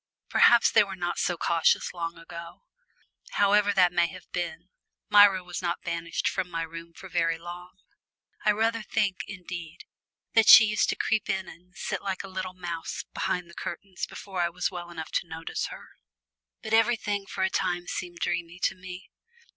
Perhaps they were not so cautious long ago. However that may have been, Myra was not banished from my room for very long. I rather think, indeed, that she used to creep in and sit like a little mouse behind the curtains before I was well enough to notice her. But everything for a time seemed dreamy to me.